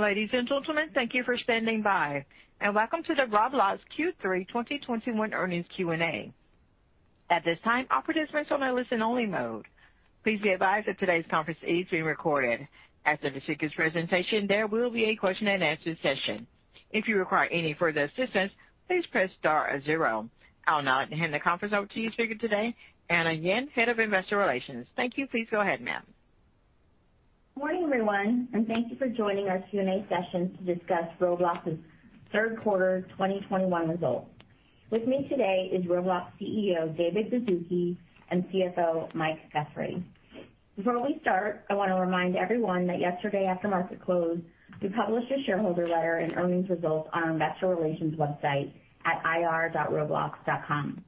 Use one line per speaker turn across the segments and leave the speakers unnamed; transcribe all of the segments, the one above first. Ladies and gentlemen, thank you for standing by, and welcome to the Roblox Q3 2021 earnings Q&A. At this time, all participants are on a listen-only mode. Please be advised that today's conference is being recorded. After the speakers' presentation, there will be a question-and-answer session. If you require any further assistance, please press star zero. I'll now hand the conference over to our speaker today, Anna Yen, Head of Investor Relations. Thank you. Please go ahead, ma'am.
Good morning, everyone, and thank you for joining our Q&A session to discuss Roblox's Q3 2021 results. With me today is Roblox CEO David Baszucki and CFO Mike Guthrie. Before we start, I want to remind everyone that yesterday after market close, we published a shareholder letter and earnings results on our investor relations website at ir.roblox.com.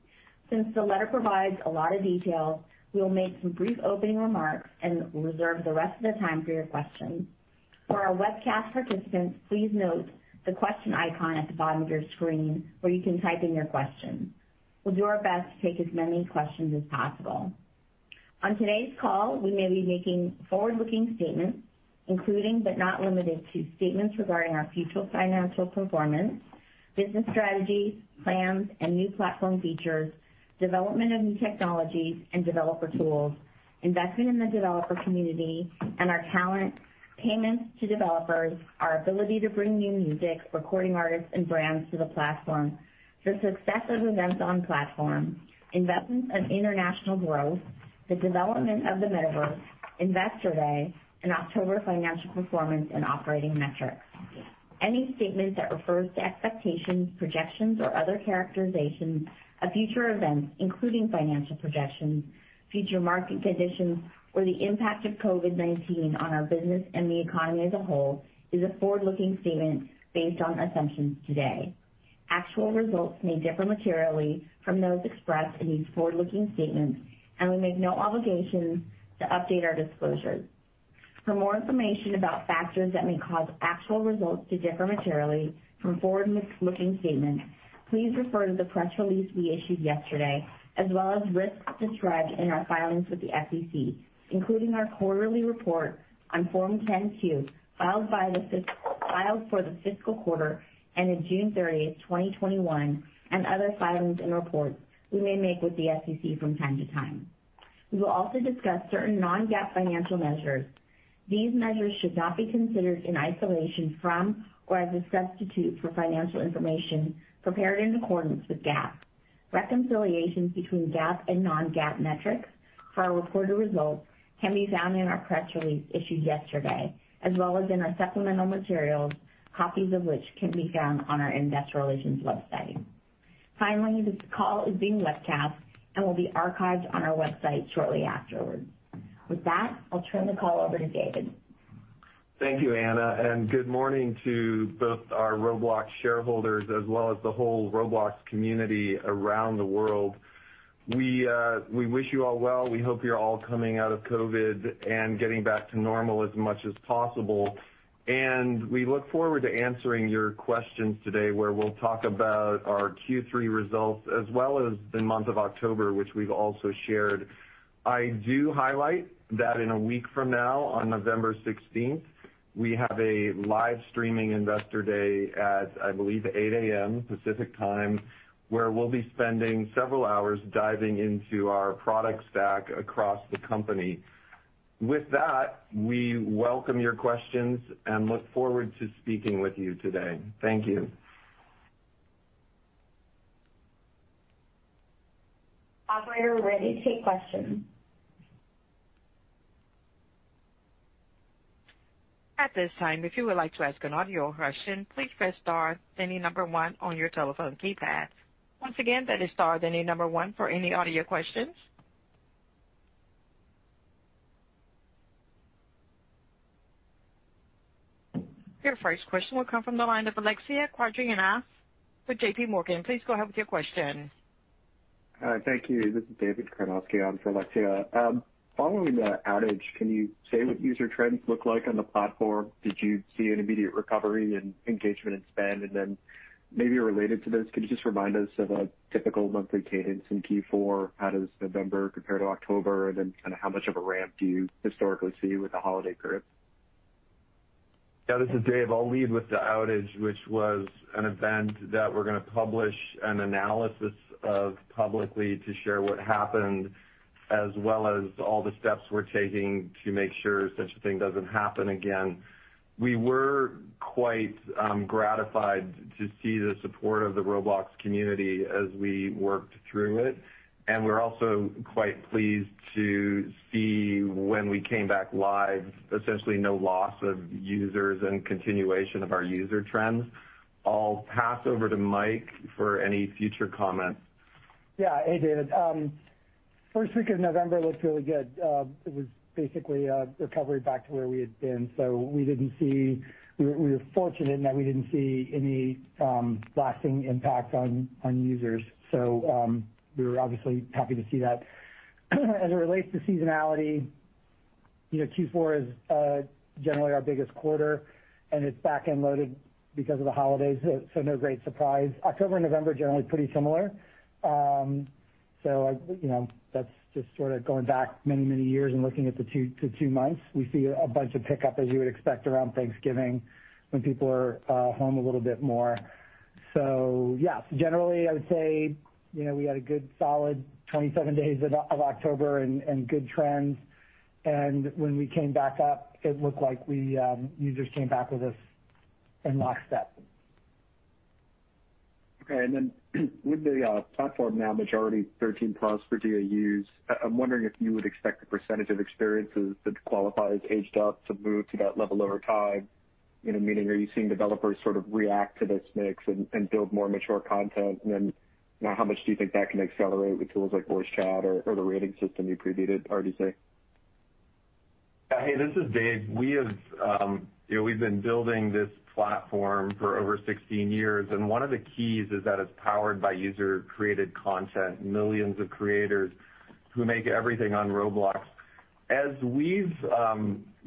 Since the letter provides a lot of details, we'll make some brief opening remarks and reserve the rest of the time for your questions. For our webcast participants, please note the question icon at the bottom of your screen where you can type in your question. We'll do our best to take as many questions as possible. On today's call, we may be making forward-looking statements, including, but not limited to, statements regarding our future financial performance, business strategies, plans, and new platform features, development of new technologies and developer tools, investment in the developer community and our talent, payments to developers, our ability to bring new music, recording artists and brands to the platform, the success of events on platform, investments in international growth, the development of the Metaverse, Investor Day and October financial performance and operating metrics. Any statement that refers to expectations, projections, or other characterizations of future events, including financial projections, future market conditions, or the impact of COVID-19 on our business and the economy as a whole, is a forward-looking statement based on assumptions today. Actual results may differ materially from those expressed in these forward-looking statements, and we make no obligation to update our disclosures. For more information about factors that may cause actual results to differ materially from forward-looking statements, please refer to the press release we issued yesterday, as well as risks described in our filings with the SEC, including our quarterly report on Form 10-Q, filed for the fiscal quarter ending June 30th 2021, and other filings and reports we may make with the SEC from time to time. We will also discuss certain non-GAAP financial measures. These measures should not be considered in isolation from or as a substitute for financial information prepared in accordance with GAAP. Reconciliations between GAAP and non-GAAP metrics for our reported results can be found in our press release issued yesterday, as well as in our supplemental materials, copies of which can be found on our investor relations website. Finally, this call is being webcast and will be archived on our website shortly afterwards. With that, I'll turn the call over to David.
Thank you, Anna, and good morning to both our Roblox shareholders as well as the whole Roblox community around the world. We wish you all well. We hope you're all coming out of COVID and getting back to normal as much as possible. We look forward to answering your questions today, where we'll talk about our Q3 results as well as the month of October, which we've also shared. I do highlight that in a week from now, on November sixteenth, we have a live streaming Investor Day at, I believe, 8 A.M. Pacific Time, where we'll be spending several hours diving into our product stack across the company. With that, we welcome your questions and look forward to speaking with you today. Thank you.
Operator, we're ready to take questions.
At this time, if you would like to ask an audio question, please press star, then the number 1 on your telephone keypad. Once again, that is star, then the number one for any audio questions. Your first question will come from the line of Alexia Quadrani with JPMorgan. Please go ahead with your question.
Hi. Thank you. This is David Karnovsky on for Alexia. Following the outage, can you say what user trends look like on the platform? Did you see an immediate recovery in engagement and spend? Maybe related to this, could you just remind us of a typical monthly cadence in Q4? How does November compare to October? Kind of how much of a ramp do you historically see with the holiday period?
Yeah, this is Dave. I'll lead with the outage, which was an event that we're going to publish an analysis of publicly to share what happened, as well as all the steps we're taking to make sure such a thing doesn't happen again. We were quite gratified to see the support of the Roblox community as we worked through it, and we're also quite pleased to see when we came back live, essentially no loss of users and continuation of our user trends. I'll pass over to Mike for any future comments.
Yeah. Hey, David. First week of November looked really good. It was basically a recovery back to where we had been. We were fortunate in that we didn't see any lasting impact on users. We were obviously happy to see that. As it relates to seasonality, you know, Q4 is generally our biggest quarter, and it's back-end loaded because of the holidays, so no great surprise. October and November are generally pretty similar. So, you know, that's just sort of going back many years and looking at the two months, we see a bunch of pickup, as you would expect, around Thanksgiving when people are home a little bit more. So yes, generally, I would say, you know, we had a good solid 27 days of October and good trends. When we came back up, it looked like we users came back with us in lockstep.
Okay. With the platform now majority 13+ for DAUs, I'm wondering if you would expect the percentage of experiences that qualify as aged up to move to that level over time. You know, meaning, are you seeing developers sort of react to this mix and build more mature content? How much do you think that can accelerate with tools like voice chat or the rating system you previewed at RDC?
Yeah. Hey, this is Dave. We have, you know, we've been building this platform for over 16 years, and one of the keys is that it's powered by user-created content, millions of creators who make everything on Roblox. As we've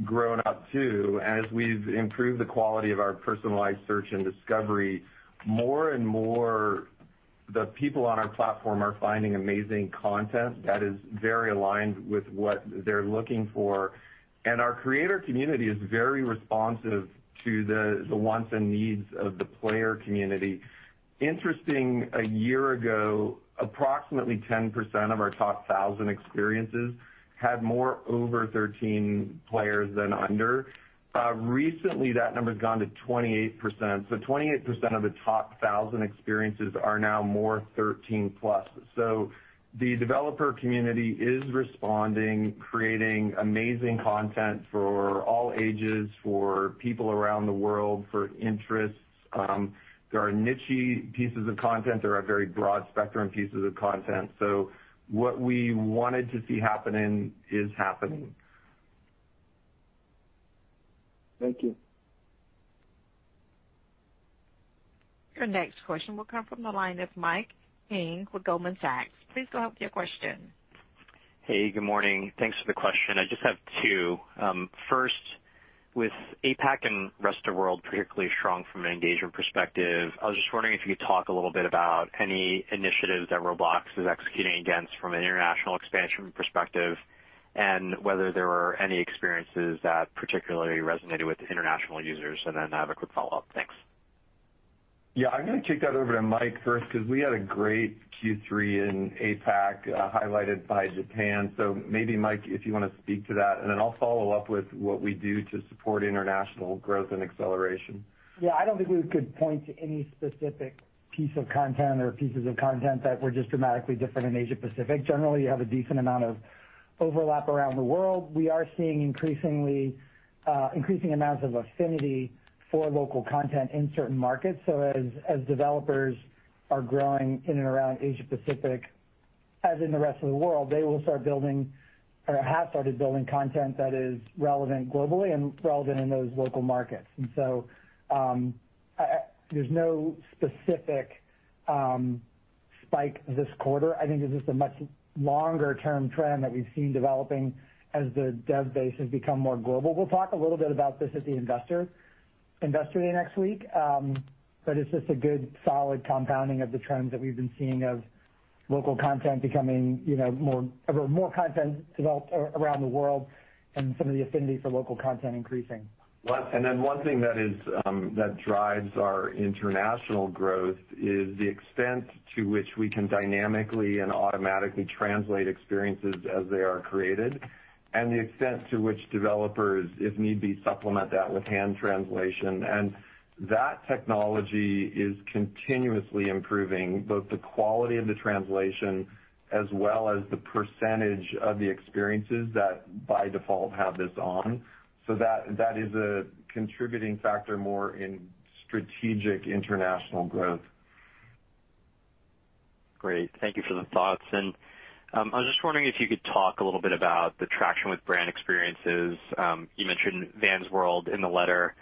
grown up, too, as we've improved the quality of our personalized search and discovery, more and more the people on our platform are finding amazing content that is very aligned with what they're looking for. Our creator community is very responsive to the wants and needs of the player community. Interesting, a year ago, approximately 10% of our top 1,000 experiences had more over 13 players than under. Recently that number's gone to 28%. 28% of the top 1,000 experiences are now more 13+. The developer community is responding, creating amazing content for all ages, for people around the world, for interests. There are niche-y pieces of content. There are very broad spectrum pieces of content. What we wanted to see happening is happening.
Thank you.
Your next question will come from the line of Mike Ng with Goldman Sachs. Please go ahead with your question.
Hey, good morning. Thanks for the question. I just have two. First, with APAC and rest of world particularly strong from an engagement perspective, I was just wondering if you could talk a little bit about any initiatives that Roblox is executing against from an international expansion perspective and whether there were any experiences that particularly resonated with international users. I have a quick follow-up. Thanks.
Yeah. I'm gonna kick that over to Mike first because we had a great Q3 in APAC, highlighted by Japan. Maybe, Mike, if you want to speak to that, and then I'll follow up with what we do to support international growth and acceleration.
Yeah. I don't think we could point to any specific piece of content or pieces of content that were just dramatically different in Asia Pacific. Generally, you have a decent amount of overlap around the world. We are seeing increasing amounts of affinity for local content in certain markets. As developers are growing in and around Asia Pacific, as in the rest of the world, they will start building or have started building content that is relevant globally and relevant in those local markets. There's no specific spike this quarter. I think this is a much longer term trend that we've seen developing as the dev base has become more global. We'll talk a little bit about this at the Investor Day next week, but it's just a good solid compounding of the trends that we've been seeing of local content becoming, you know, more of a more content developed around the world and some of the affinity for local content increasing.
One thing that is, that drives our international growth is the extent to which we can dynamically and automatically translate experiences as they are created and the extent to which developers, if need be, supplement that with hand translation. That technology is continuously improving both the quality of the translation as well as the percentage of the experiences that by default have this on. That is a contributing factor more in strategic international growth.
Great. Thank you for the thoughts. I was just wondering if you could talk a little bit about the traction with brand experiences. You mentioned Vans World in the letter.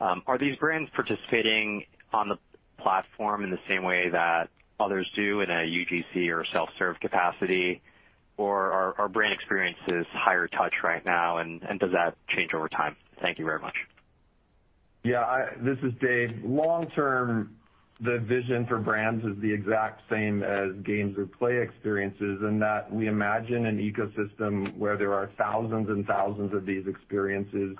Are these brands participating on the platform in the same way that others do in a UGC or self-serve capacity? Or are brand experiences higher touch right now, and does that change over time? Thank you very much.
This is David. Long term, the vision for brands is the exact same as games or play experiences in that we imagine an ecosystem where there are thousands and thousands of these experiences.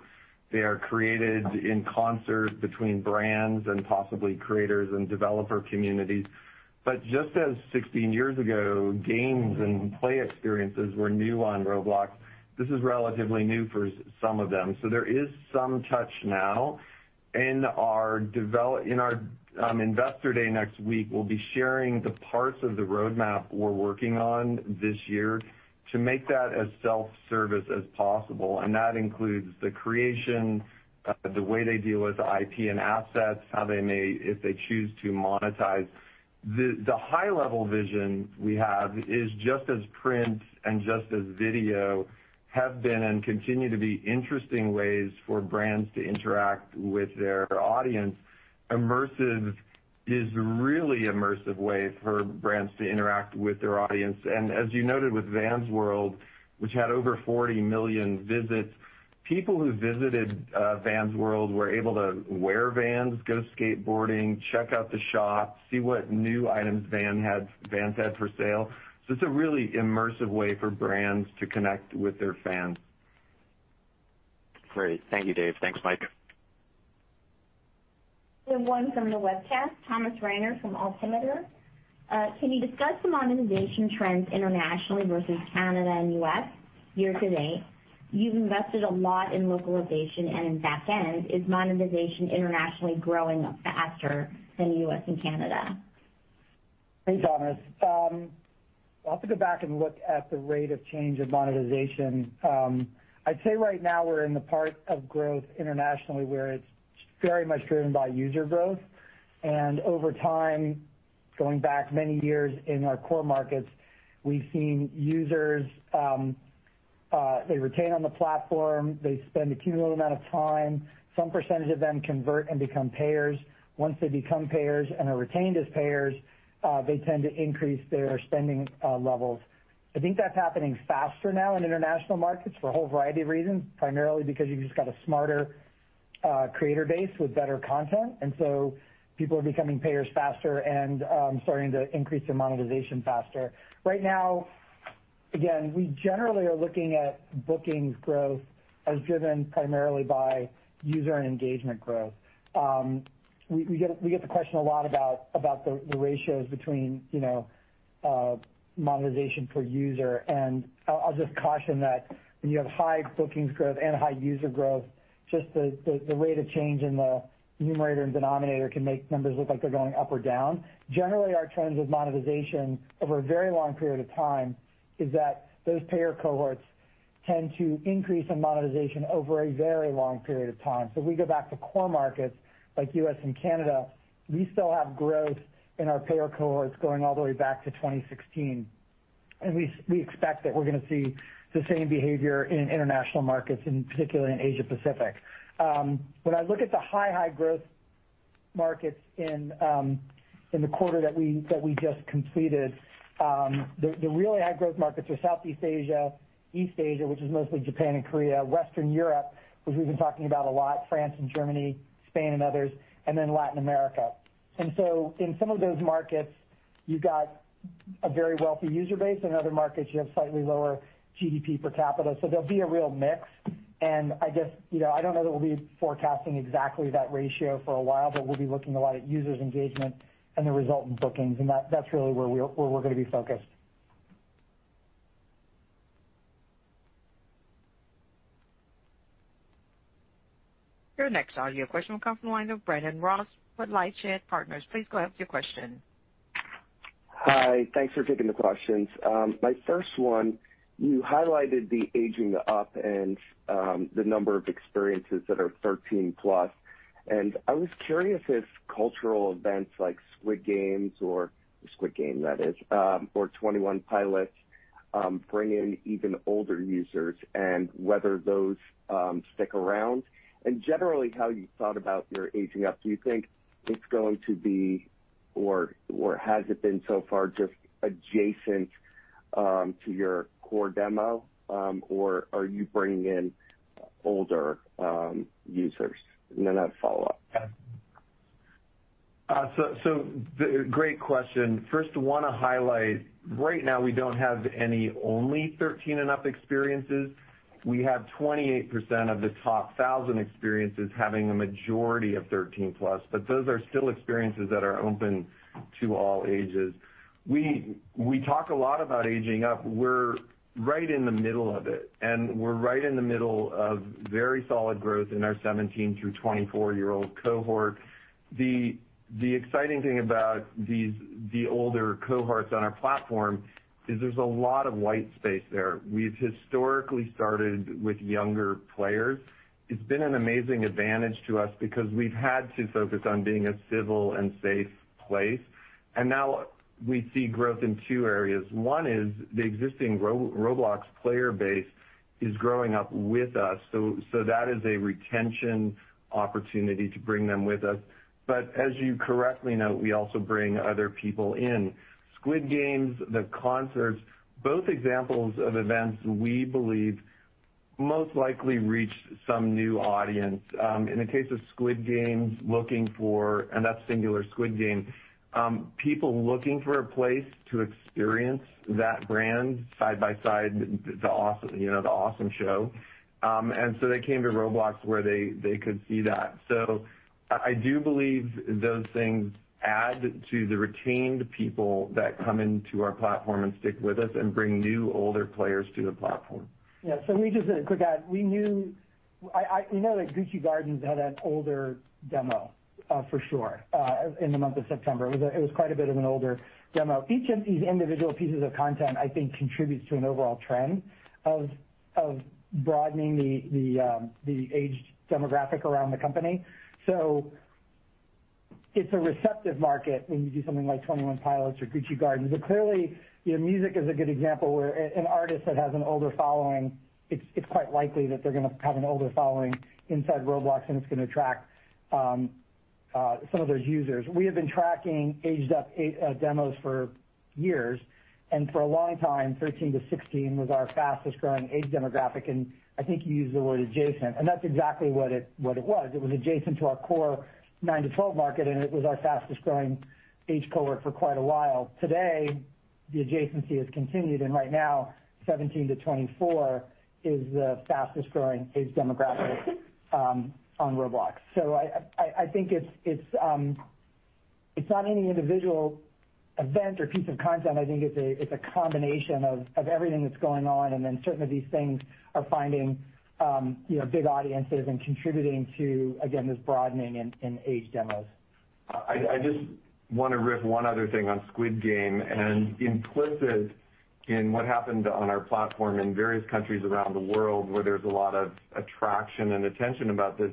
They are created in concert between brands and possibly creators and developer communities. Just as 16 years ago, games and play experiences were new on Roblox, this is relatively new for some of them. There is some traction now. In our Investor Day next week, we'll be sharing the parts of the roadmap we're working on this year to make that as self-service as possible, and that includes the creation, the way they deal with IP and assets, how they may, if they choose to, monetize. The high level vision we have is just as print and just as video have been and continue to be interesting ways for brands to interact with their audience, immersive is really immersive way for brands to interact with their audience. As you noted with Vans World, which had over 40 million visits, people who visited Vans World were able to wear Vans, go skateboarding, check out the shop, see what new items Vans had for sale. It's a really immersive way for brands to connect with their fans.
Great. Thank you, Dave. Thanks, Mike.
We have one from the webcast, Thomas Reiner from Altimeter. Can you discuss the monetization trends internationally versus Canada and U.S. year to date? You've invested a lot in localization and in back-end. Is monetization internationally growing faster than U.S. and Canada?
Thanks, Thomas. I'll have to go back and look at the rate of change in monetization. I'd say right now we're in the part of growth internationally where it's very much driven by user growth. Over time, going back many years in our core markets, we've seen users, they retain on the platform, they spend a cumulative amount of time. Some percentage of them convert and become payers. Once they become payers and are retained as payers, they tend to increase their spending levels. I think that's happening faster now in international markets for a whole variety of reasons, primarily because you've just got a smarter creator base with better content, and so people are becoming payers faster and starting to increase their monetization faster. Right now, again, we generally are looking at bookings growth as driven primarily by user and engagement growth. We get the question a lot about the ratios between, you know, monetization per user, and I'll just caution that when you have high bookings growth and high user growth, just the rate of change in the numerator and denominator can make numbers look like they're going up or down. Generally, our trends with monetization over a very long period of time is that those payer cohorts tend to increase in monetization over a very long period of time. We go back to core markets like U.S. and Canada. We still have growth in our payer cohorts going all the way back to 2016. We expect that we're gonna see the same behavior in international markets, and particularly in Asia-Pacific. When I look at the high growth markets in the quarter that we just completed, the really high growth markets are Southeast Asia, East Asia, which is mostly Japan and Korea, Western Europe, which we've been talking about a lot, France and Germany, Spain and others, and then Latin America. In some of those markets, you've got a very wealthy user base, and other markets you have slightly lower GDP per capita, so there'll be a real mix. I guess, you know, I don't know that we'll be forecasting exactly that ratio for a while, but we'll be looking a lot at users engagement and the resultant bookings, and that's really where we're gonna be focused.
Your next audio question will come from the line of Brandon Ross with LightShed Partners. Please go ahead with your question.
Hi. Thanks for taking the questions. My first one, you highlighted the aging up and the number of experiences that are 13+, and I was curious if cultural events like Squid Game or Squid Game that is or Twenty One Pilots bring in even older users and whether those stick around and generally how you thought about your aging up. Do you think it's going to be or has it been so far just adjacent to your core demo or are you bringing in older users? Then I have a follow-up.
Great question. First, wanna highlight right now we don't have any only 13 and up experiences. We have 28% of the top 1,000 experiences having a majority of 13+, but those are still experiences that are open to all ages. We talk a lot about aging up. We're right in the middle of it, and we're right in the middle of very solid growth in our 17-24 year old cohort. The exciting thing about these older cohorts on our platform is there's a lot of white space there. We've historically started with younger players. It's been an amazing advantage to us because we've had to focus on being a civil and safe place, and now we see growth in two areas. One is the existing Roblox player base is growing up with us, so that is a retention opportunity to bring them with us. As you correctly note, we also bring other people in. Squid Game, the concerts, both examples of events we believe most likely reached some new audience. In the case of Squid Game, and that's singular Squid Game, people looking for a place to experience that brand side by side, the awesome, you know, the awesome show. They came to Roblox where they could see that. I do believe those things add to the retained people that come into our platform and stick with us and bring new older players to the platform.
Yeah. Let me just add a quick add. We know that Gucci Garden had an older demo for sure in the month of September. It was quite a bit of an older demo. Each of these individual pieces of content, I think, contributes to an overall trend of broadening the aged demographic around the company. It's a receptive market when you do something like Twenty One Pilots or Gucci Garden. Clearly, you know, music is a good example, where an artist that has an older following, it's quite likely that they're gonna have an older following inside Roblox, and it's gonna attract some of those users. We have been tracking age eight up demos for years, and for a long time, 13-16 was our fastest growing age demographic, and I think you used the word adjacent, and that's exactly what it was. It was adjacent to our core nine-12 market, and it was our fastest growing age cohort for quite a while. Today, the adjacency has continued and right now 17-24 is the fastest-growing age demographic on Roblox. I think it's not any individual event or piece of content. I think it's a combination of everything that's going on, and then certain of these things are finding you know, big audiences and contributing to, again, this broadening in age demos.
I just want to riff one other thing on Squid Game and implicit in what happened on our platform in various countries around the world where there's a lot of attraction and attention about this,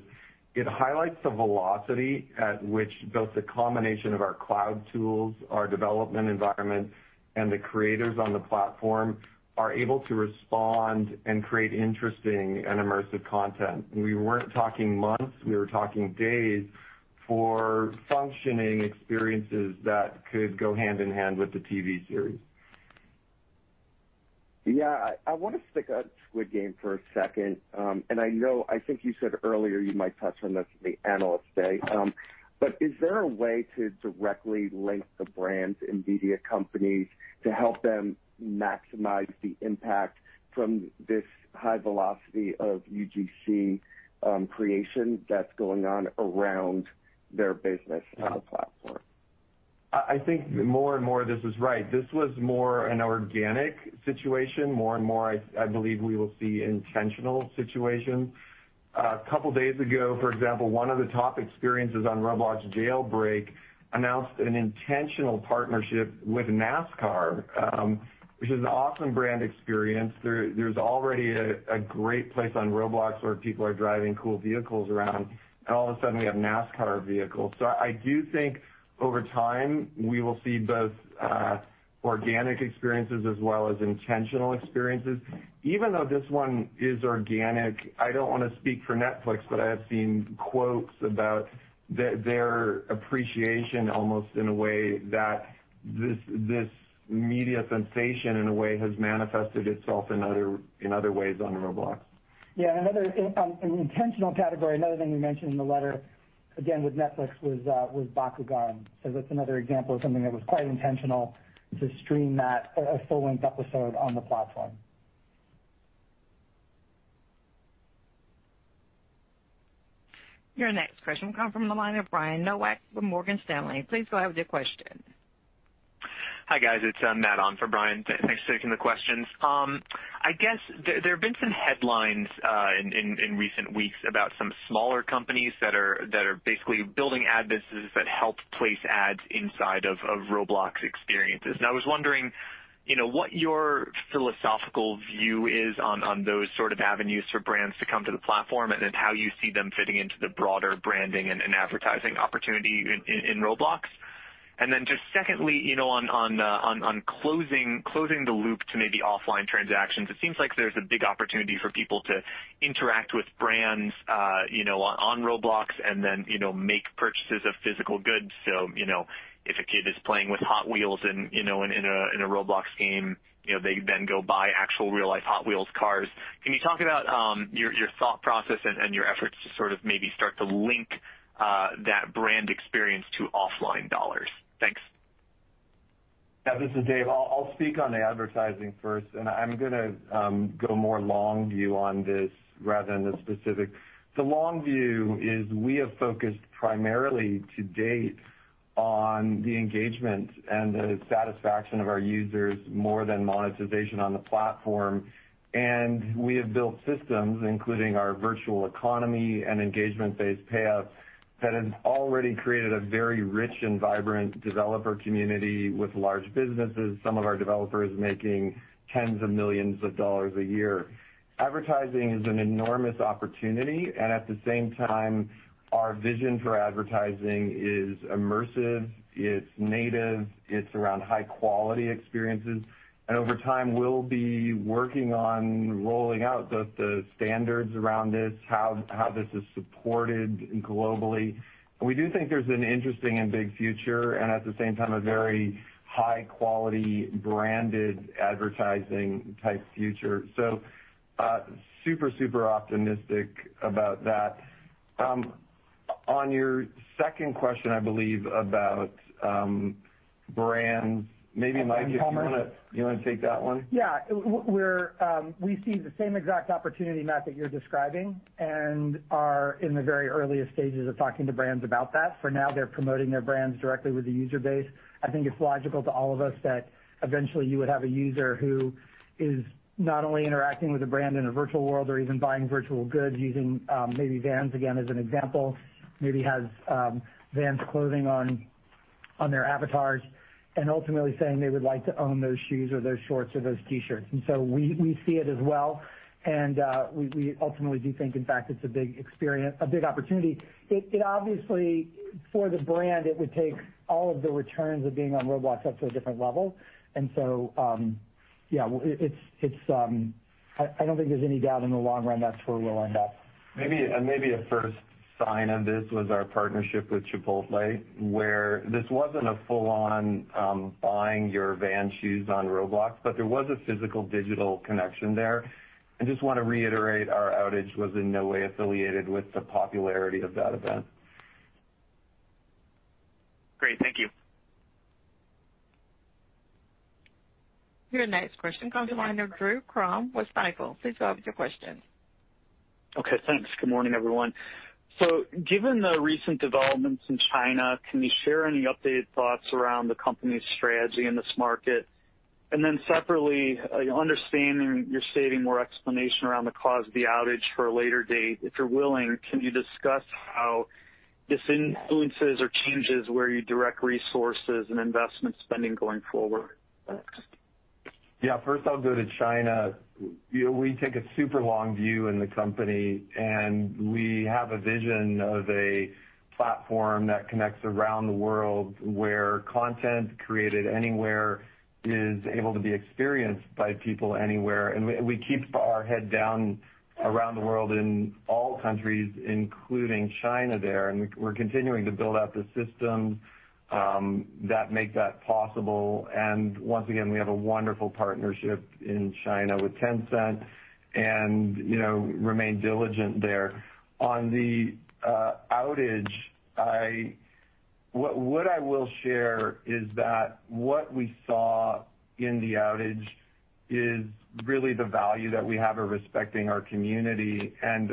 it highlights the velocity at which both the combination of our cloud tools, our development environment, and the creators on the platform are able to respond and create interesting and immersive content. We weren't talking months, we were talking days for functioning experiences that could go hand in hand with the TV series.
Yeah. I want to stick on Squid Game for a second. I know I think you said earlier you might touch on this at the Analyst Day. Is there a way to directly link the brands and media companies to help them maximize the impact from this high velocity of UGC creation that's going on around their business on the platform?
I think more and more this is right. This was more an organic situation. More and more, I believe we will see intentional situations. A couple days ago, for example, one of the top experiences on Roblox Jailbreak announced an intentional partnership with NASCAR, which is an awesome brand experience. There's already a great place on Roblox where people are driving cool vehicles around, and all of a sudden we have NASCAR vehicles. I do think over time we will see both organic experiences as well as intentional experiences. Even though this one is organic, I don't want to speak for Netflix, but I have seen quotes about their appreciation almost in a way that this media sensation in a way has manifested itself in other ways on Roblox.
Yeah. Another, an intentional category, another thing we mentioned in the letter again with Netflix was Bakugan. That's another example of something that was quite intentional to stream that, a full-length episode on the platform.
Your next question will come from the line of Brian Nowak with Morgan Stanley. Please go ahead with your question.
Hi, guys. It's Matt on for Brian. Thanks for taking the questions. I guess there have been some headlines in recent weeks about some smaller companies that are basically building ad businesses that help place ads inside of Roblox experiences. I was wondering, you know, what your philosophical view is on those sort of avenues for brands to come to the platform and then how you see them fitting into the broader branding and advertising opportunity in Roblox. Then just secondly, you know, on closing the loop to maybe offline transactions, it seems like there's a big opportunity for people to interact with brands, you know, on Roblox and then, you know, make purchases of physical goods. You know, if a kid is playing with Hot Wheels in, you know, in a Roblox game, you know, they then go buy actual real life Hot Wheels cars. Can you talk about your thought process and your efforts to sort of maybe start to link that brand experience to offline dollars? Thanks.
Yeah, this is David. I'll speak on the advertising first, and I'm gonna go more long view on this rather than the specific. The long view is we have focused primarily to date on the engagement and the satisfaction of our users more than monetization on the platform. We have built systems, including our virtual economy and engagement-based payouts, that have already created a very rich and vibrant developer community with large businesses, some of our developers making tens of millions of dollars a year. Advertising is an enormous opportunity, and at the same time, our vision for advertising is immersive, it's native, it's around high quality experiences. Over time, we'll be working on rolling out both the standards around this, how this is supported globally. We do think there's an interesting and big future and at the same time a very high quality branded advertising type future. Super optimistic about that. On your second question, I believe about brands. Maybe Mike, do you wanna-
Brand commerce.
You wanna take that one?
Yeah. We see the same exact opportunity, Matt, that you're describing and are in the very earliest stages of talking to brands about that. For now, they're promoting their brands directly with the user base. I think it's logical to all of us that eventually you would have a user who is not only interacting with a brand in a virtual world or even buying virtual goods using maybe Vans again as an example, maybe has Vans clothing on their avatars and ultimately saying they would like to own those shoes or those shorts or those T-shirts. We see it as well. We ultimately do think in fact it's a big experience, a big opportunity. It obviously, for the brand, it would take all of the returns of being on Roblox up to a different level. Yeah, I don't think there's any doubt in the long run that's where we'll end up.
Maybe, and maybe a first sign of this was our partnership with Chipotle, where this wasn't a full on, buying your Vans shoes on Roblox, but there was a physical digital connection there. I just want to reiterate our outage was in no way affiliated with the popularity of that event.
Great. Thank you.
Your next question comes from the line of Drew Crum with Stifel. Please go ahead with your question.
Okay, thanks. Good morning, everyone. Given the recent developments in China, can you share any updated thoughts around the company's strategy in this market? Separately, understanding you're saving more explanation around the cause of the outage for a later date, if you're willing, can you discuss how this influences or changes where you direct resources and investment spending going forward? Thanks.
Yeah. First I'll go to China. You know, we take a super long view in the company, and we have a vision of a platform that connects around the world where content created anywhere is able to be experienced by people anywhere. We keep our head down around the world in all countries, including China there, and we're continuing to build out the systems that make that possible. Once again, we have a wonderful partnership in China with Tencent and, you know, remain diligent there. On the outage, what I will share is that what we saw in the outage is really the value that we have of respecting our community and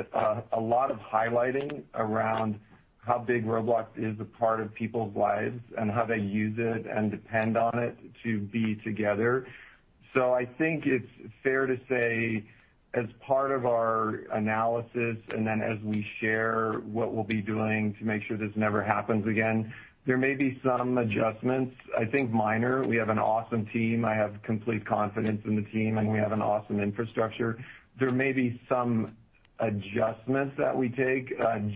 a lot of highlighting around how big Roblox is a part of people's lives and how they use it and depend on it to be together. I think it's fair to say as part of our analysis and then as we share what we'll be doing to make sure this never happens again, there may be some adjustments, I think minor. We have an awesome team. I have complete confidence in the team, and we have an awesome infrastructure. There may be some adjustments that we take,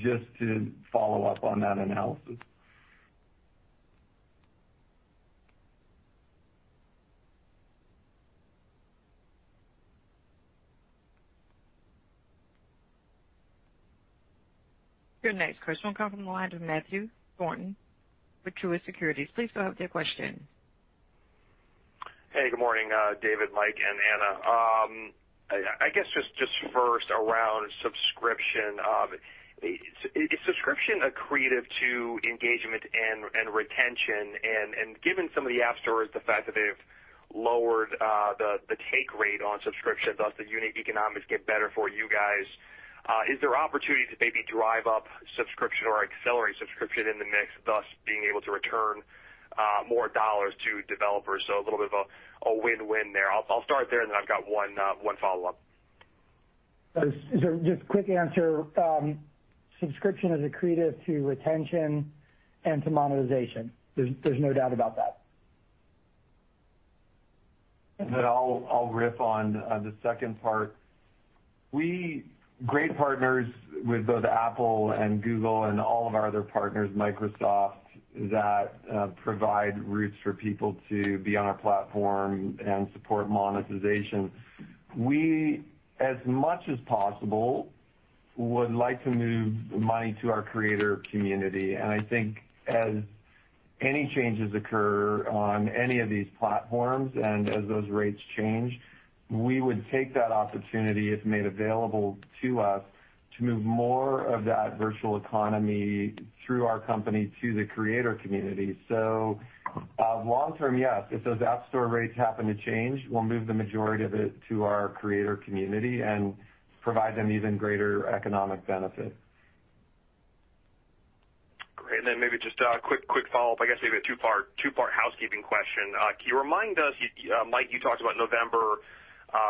just to follow up on that analysis.
Your next question will come from the line of Matthew Thornton with Truist Securities. Please go ahead with your question.
Hey, good morning, David, Mike, and Anna. I guess just first around subscription. Is subscription accretive to engagement and retention? Given some of the app stores, the fact that they've lowered the take rate on subscription, thus the unit economics get better for you guys, is there opportunity to maybe drive up subscription or accelerate subscription in the mix, thus being able to return more dollars to developers? A little bit of a win-win there. I'll start there, and then I've got one follow-up.
Just quick answer, subscription is accretive to retention and to monetization. There's no doubt about that.
Then I'll riff on the second part. We have great partners with both Apple and Google and all of our other partners, Microsoft, that provide routes for people to be on our platform and support monetization. We, as much as possible, would like to move money to our creator community. I think as any changes occur on any of these platforms and as those rates change, we would take that opportunity if made available to us to move more of that virtual economy through our company to the creator community. Long term, yes, if those app store rates happen to change, we'll move the majority of it to our creator community and provide them even greater economic benefit.
Great. Then maybe just a quick follow-up. I guess maybe a two-part housekeeping question. Can you remind us, Mike, you talked about November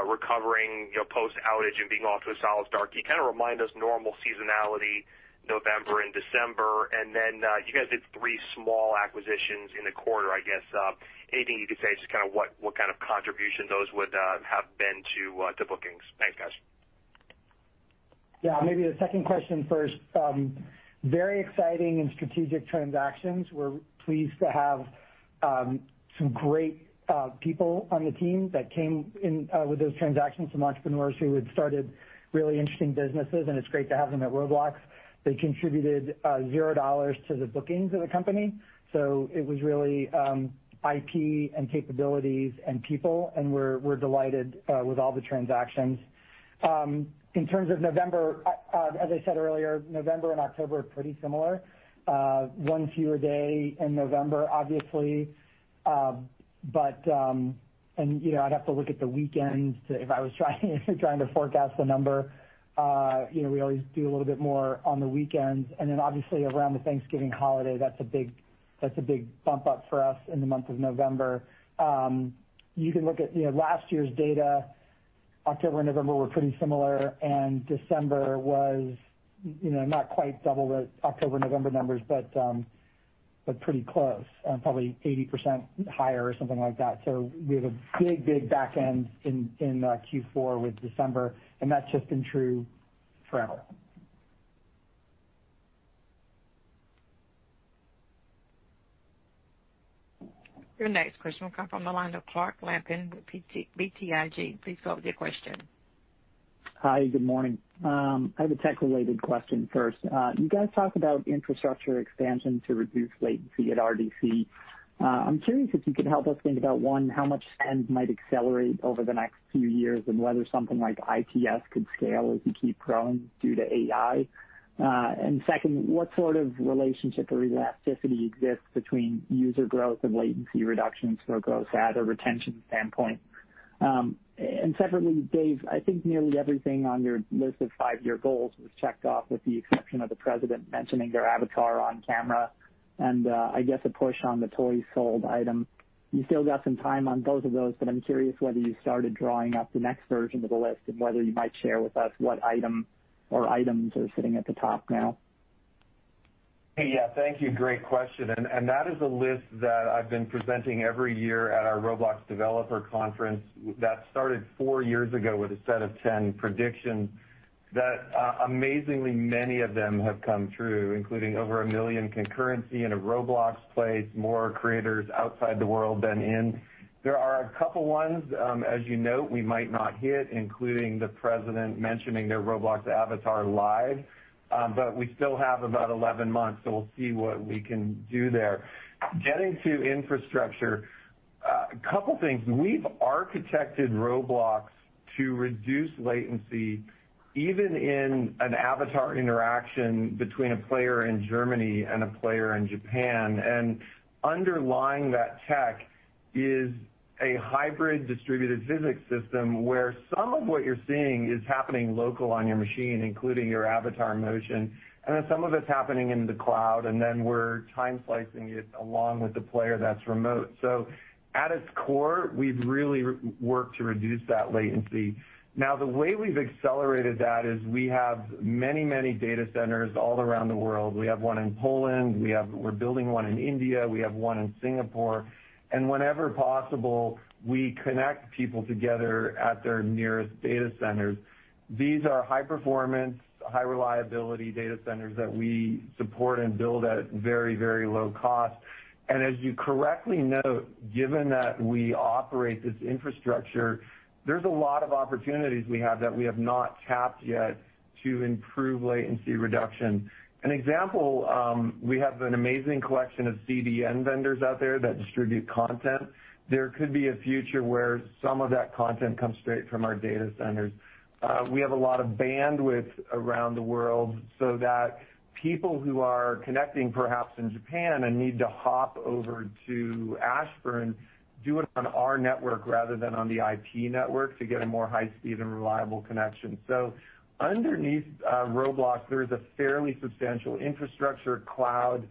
recovering, you know, post outage and being off to a solid start. Can you kind of remind us of normal seasonality in November and December? Then, you guys did three small acquisitions in the quarter. I guess, anything you could say just kind of what kind of contribution those would have been to bookings? Thanks, guys.
Yeah, maybe the second question first. Very exciting and strategic transactions. We're pleased to have some great people on the team that came in with those transactions, some entrepreneurs who had started really interesting businesses, and it's great to have them at Roblox. They contributed $0 to the bookings of the company. It was really IP and capabilities and people, and we're delighted with all the transactions. In terms of November, as I said earlier, November and October are pretty similar. One fewer day in November, obviously. You know, I'd have to look at the weekends to if I was trying to forecast the number. You know, we always do a little bit more on the weekends. Obviously around the Thanksgiving holiday, that's a big bump up for us in the month of November. You can look at, you know, last year's data. October and November were pretty similar, and December was, you know, not quite double the October-November numbers, but pretty close, probably 80% higher or something like that. We have a big back end in Q4 with December, and that's just been true forever.
Your next question will come from the line of Clark Lampen with BTIG. Please go ahead with your question.
Hi, good morning. I have a tech related question first. You guys talk about infrastructure expansion to reduce latency at RDC. I'm curious if you could help us think about, one, how much spend might accelerate over the next few years and whether something like ITS could scale as you keep growing due to AI. Second, what sort of relationship or elasticity exists between user growth and latency reductions for a gross add or retention standpoint? Secondly, Dave, I think nearly everything on your list of five-year goals was checked off, with the exception of the president mentioning their avatar on camera and, I guess a push on the toys sold item. You still got some time on both of those, but I'm curious whether you started drawing up the next version of the list and whether you might share with us what item or items are sitting at the top now?
Yeah. Thank you. Great question. That is a list that I've been presenting every year at our Roblox Developer Conference that started four years ago with a set of 10 predictions that, amazingly many of them have come true, including over 1 million concurrency in a Roblox place, more creators outside the world than in. There are a couple ones, as you note, we might not hit, including the president mentioning their Roblox avatar live. We still have about 11 months, so we'll see what we can do there. Getting to infrastructure, a couple things. We've architected Roblox to reduce latency, even in an avatar interaction between a player in Germany and a player in Japan. Underlying that tech is a hybrid distributed physics system, where some of what you're seeing is happening locally on your machine, including your avatar motion, and then some of it's happening in the cloud, and then we're time slicing it along with the player that's remote. At its core, we've really worked to reduce that latency. Now, the way we've accelerated that is we have many, many data centers all around the world. We have one in Poland. We're building one in India. We have one in Singapore. Whenever possible, we connect people together at their nearest data centers. These are high performance, high reliability data centers that we support and build at very, very low cost. As you correctly note, given that we operate this infrastructure, there's a lot of opportunities we have that we have not tapped yet to improve latency reduction. An example, we have an amazing collection of CDN vendors out there that distribute content. There could be a future where some of that content comes straight from our data centers. We have a lot of bandwidth around the world so that people who are connecting, perhaps in Japan and need to hop over to Ashburn, do it on our network rather than on the IP network to get a more high-speed and reliable connection. Underneath Roblox, there is a fairly substantial infrastructure cloud.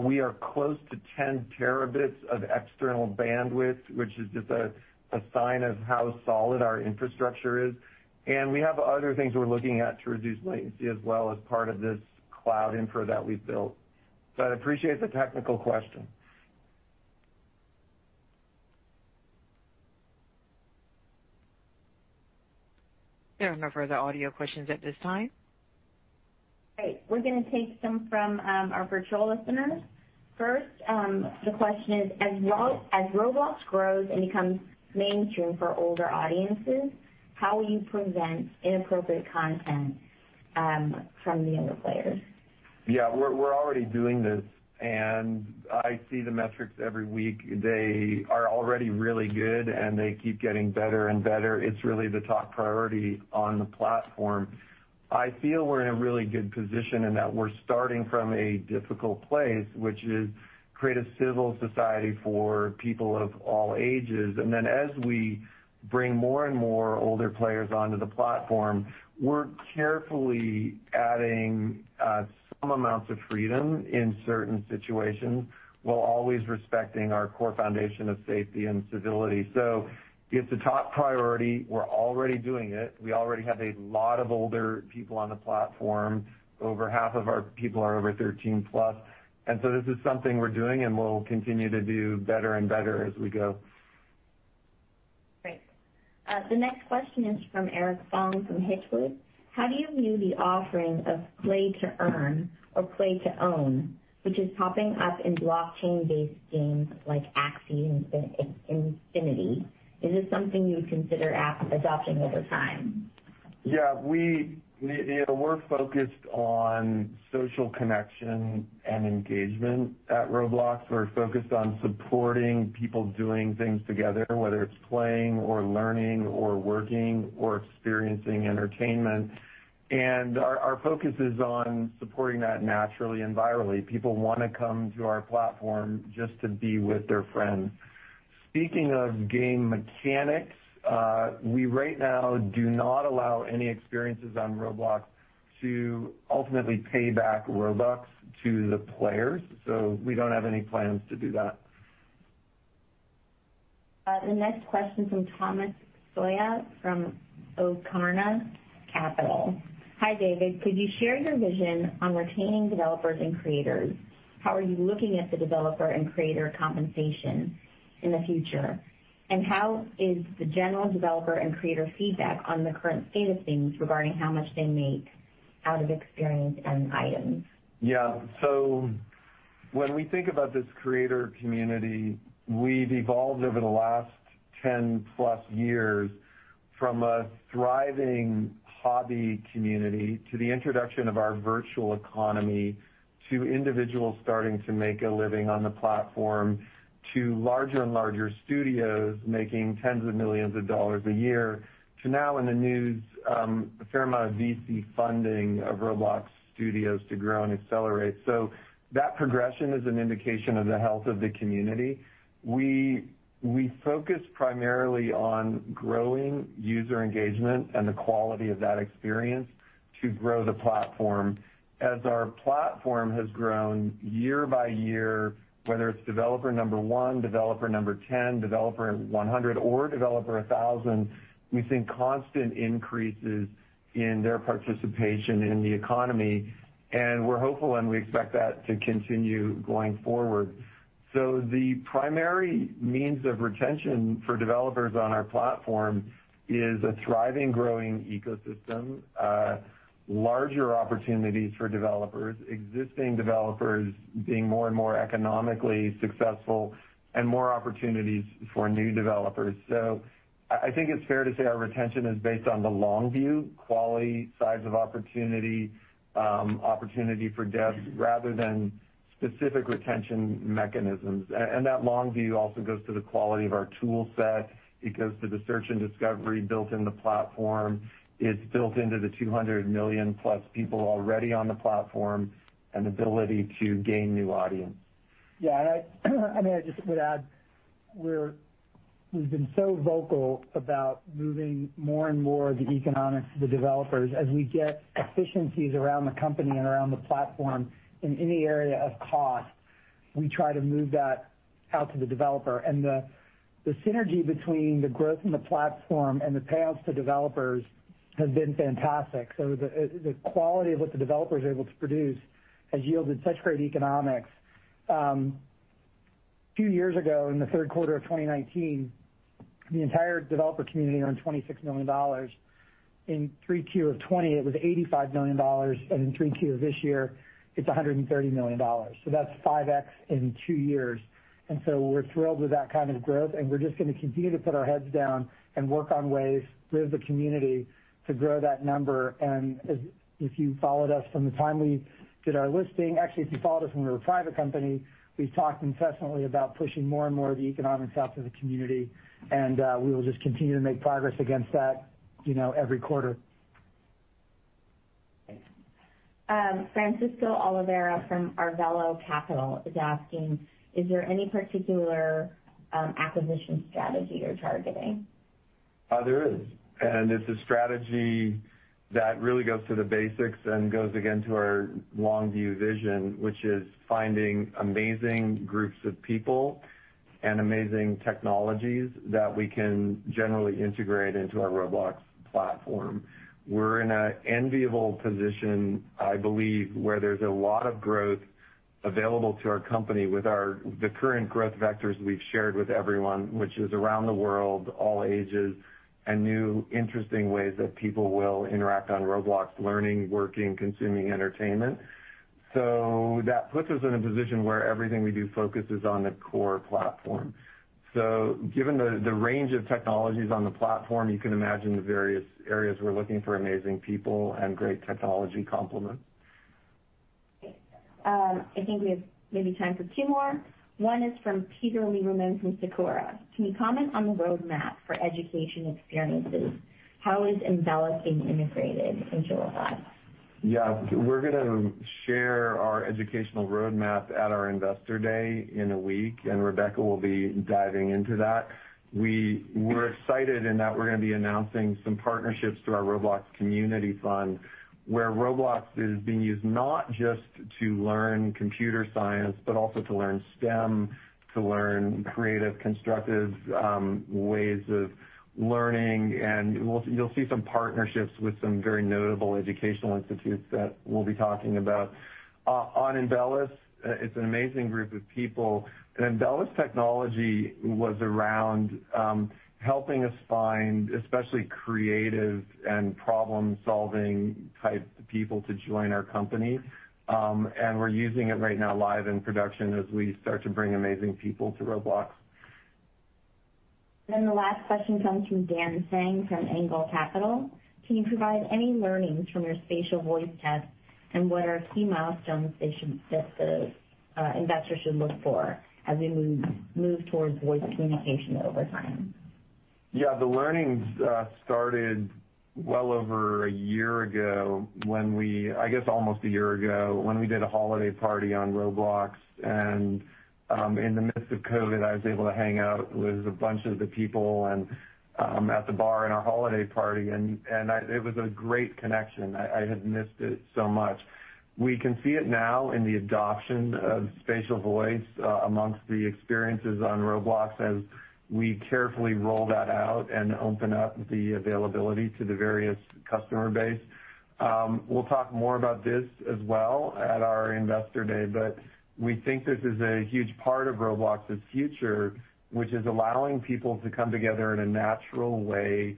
We are close to 10 terabits of external bandwidth, which is just a sign of how solid our infrastructure is. We have other things we're looking at to reduce latency as well as part of this cloud infra that we've built. I appreciate the technical question.
There are no further audio questions at this time.
Great. We're gonna take some from our virtual listeners. First, the question is, as Roblox grows and becomes mainstream for older audiences, how will you prevent inappropriate content from the younger players?
Yeah, we're already doing this, and I see the metrics every week. They are already really good, and they keep getting better and better. It's really the top priority on the platform. I feel we're in a really good position in that we're starting from a difficult place, which is create a civil society for people of all ages. As we bring more and more older players onto the platform, we're carefully adding some amounts of freedom in certain situations while always respecting our core foundation of safety and civility. It's a top priority. We're already doing it. We already have a lot of older people on the platform. Over half of our people are over 13+. This is something we're doing, and we'll continue to do better and better as we go.
Great. The next question is from Eric Fong from Hitchwood. How do you view the offering of play to earn or play to own, which is popping up in blockchain-based games like Axie Infinity? Is this something you consider adopting over time?
Yeah. We, you know, we're focused on social connection and engagement at Roblox. We're focused on supporting people doing things together, whether it's playing or learning or working or experiencing entertainment. Our focus is on supporting that naturally and virally. People wanna come to our platform just to be with their friends. Speaking of game mechanics, we right now do not allow any experiences on Roblox to ultimately pay back Robux to the players, so we don't have any plans to do that.
The next question from Thomas Psoja from Ocana Capital. Hi, David. Could you share your vision on retaining developers and creators? How are you looking at the developer and creator compensation in the future? And how is the general developer and creator feedback on the current state of things regarding how much they make out of experience and items?
When we think about this creator community, we've evolved over the last 10+ years from a thriving hobby community to the introduction of our virtual economy, to individuals starting to make a living on the platform, to larger and larger studios making $10s of millions a year, to now in the news, a fair amount of VC funding of Roblox studios to grow and accelerate. That progression is an indication of the health of the community. We focus primarily on growing user engagement and the quality of that experience to grow the platform. As our platform has grown year by year, whether it's developer number 1, developer number 10, developer number 100 or developer 1,000, we've seen constant increases in their participation in the economy, and we're hopeful and we expect that to continue going forward. The primary means of retention for developers on our platform is a thriving, growing ecosystem, larger opportunities for developers, existing developers being more and more economically successful and more opportunities for new developers. I think it's fair to say our retention is based on the long view, quality, size of opportunity for depth rather than specific retention mechanisms. That long view also goes to the quality of our tool set. It goes to the search and discovery built in the platform. It's built into the 200 million plus people already on the platform, and ability to gain new audience.
Yeah. I mean, I just would add, we've been so vocal about moving more and more of the economics to the developers. As we get efficiencies around the company and around the platform in any area of cost, we try to move that out to the developer. The synergy between the growth in the platform and the payouts to developers has been fantastic. The quality of what the developer is able to produce has yielded such great economics. Few years ago, in the third quarter of 2019, the entire developer community earned $26 million. In Q3 of 2020, it was $85 million, and in Q3 of this year, it's $130 million. That's 5x in two years. We're thrilled with that kind of growth, and we're just gonna continue to put our heads down and work on ways with the community to grow that number. As if you followed us from the time we did our listing, actually, if you followed us when we were a private company, we've talked incessantly about pushing more and more of the economics out to the community, and we will just continue to make progress against that, you know, every quarter.
Thanks. Francisco Oliveira from Arvelo Capital is asking, "Is there any particular, acquisition strategy you're targeting?
There is, and it's a strategy that really goes to the basics and goes again to our long view vision, which is finding amazing groups of people and amazing technologies that we can generally integrate into our Roblox platform. We're in an enviable position, I believe, where there's a lot of growth available to our company with the current growth vectors we've shared with everyone, which is around the world, all ages and new interesting ways that people will interact on Roblox, learning, working, consuming entertainment. That puts us in a position where everything we do focuses on the core platform. Given the range of technologies on the platform, you can imagine the various areas we're looking for amazing people and great complementary technology.
I think we have maybe time for two more. One is from Peter Lieberman from Sakura. "Can you comment on the roadmap for education experiences? How is Embellish being integrated into Roblox?
Yeah. We're gonna share our educational roadmap at our Investor Day in a week, and Rebecca will be diving into that. We're excited that we're gonna be announcing some partnerships through our Roblox Community Fund, where Roblox is being used not just to learn computer science, but also to learn STEM, to learn creative, constructive ways of learning. You'll see some partnerships with some very notable educational institutes that we'll be talking about. On Guilded, it's an amazing group of people. Guilded Technology was around helping us find especially creative and problem-solving type people to join our company. We're using it right now live in production as we start to bring amazing people to Roblox.
The last question comes from Dan Tsang from Angle Capital. "Can you provide any learnings from your spatial voice test? And what are key milestones that the investors should look for as we move towards voice communication over time?
Yeah. The learnings started well over a year ago. I guess almost a year ago, when we did a holiday party on Roblox. In the midst of COVID, I was able to hang out with a bunch of the people at the bar in our holiday party. It was a great connection. I had missed it so much. We can see it now in the adoption of spatial voice among the experiences on Roblox as we carefully roll that out and open up the availability to the various customer base. We'll talk more about this as well at our Investor Day, but we think this is a huge part of Roblox's future, which is allowing people to come together in a natural way,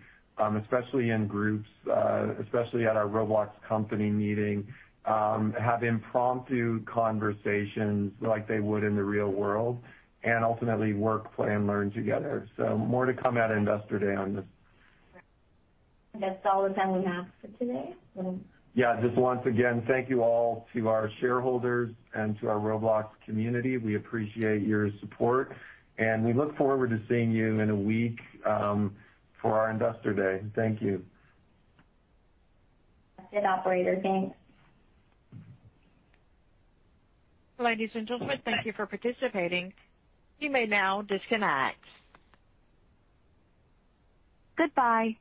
especially in groups, especially at our Roblox company meeting, have impromptu conversations like they would in the real world and ultimately work, play, and learn together. More to come at Investor Day on this.
That's all the time we have for today.
Yeah. Just once again, thank you all to our shareholders and to our Roblox community. We appreciate your support, and we look forward to seeing you in a week for our Investor Day. Thank you.
That's it, operator. Thanks.
Ladies and gentlemen, thank you for participating. You may now disconnect. Goodbye.